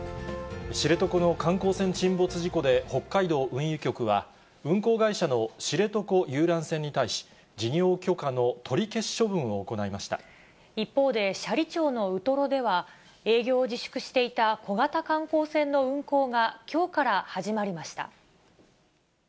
知床の観光船沈没事故で、北海道運輸局は、運航会社の知床遊覧船に対し、事業許可の取り消し処分を行いま一方で、斜里町のウトロでは、営業を自粛していた小型観光船の運航がきょうから始まりました。